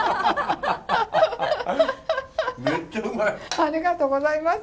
ありがとうございます。